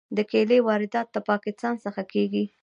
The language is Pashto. د کیلې واردات له پاکستان څخه کیږي.